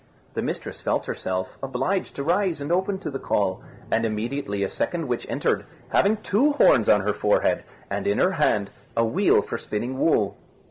The mistress felt herself obliged to rise and open to the call, and immediately a second witch entered, having two horns on her forehead, and in her hand a wheel for spinning wool.